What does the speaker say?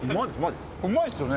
うまいっすよね。